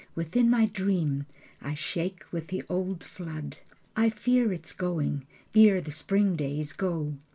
Within my dream I shake with the old flood. I fear its going, ere the spring days go.